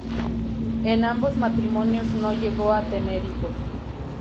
En ambos matrimonios no llegó a tener hijos.